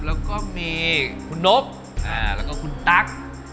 แล้วก็มีคุณนบแล้วก็คุณตั๊ก